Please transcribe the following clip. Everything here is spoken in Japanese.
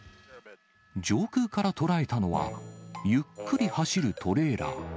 上空から捉えたのは、ゆっくり走るトレーラー。